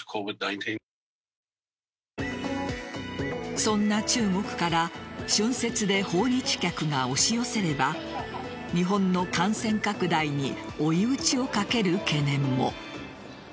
そんな中国から春節で訪日客が押し寄せれば日本の感染拡大に追い打ちをかける懸念も。